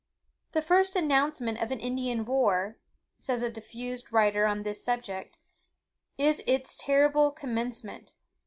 "The first announcement of an Indian war," says a diffuse writer on this subject, "is its terrible commencement.